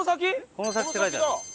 「この先」って書いてある。